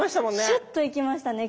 シュっといきましたね。